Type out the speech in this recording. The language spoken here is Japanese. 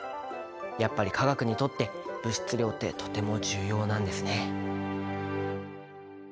やっぱり化学にとって物質量ってとても重要なんですね。